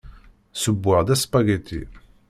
Ssewweɣ-d aspagiti.